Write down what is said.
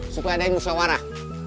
supaya ada yang bisa warah